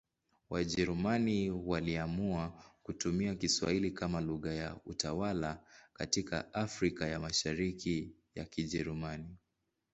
Wajerumani waliamua kutumia Kiswahili kama lugha ya utawala katika Afrika ya Mashariki ya Kijerumani.